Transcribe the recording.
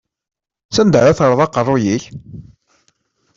S anda ara terreḍ aqerru-k?